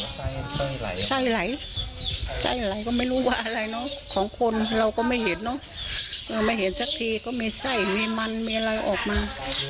ไส้ไหลไส้ไหลไส้ไหลก็ไม่รู้ว่าอะไรเนอะของคนเราก็ไม่เห็นเนอะไม่เห็นสักทีก็มีไส้มีมันมีอะไรออกมา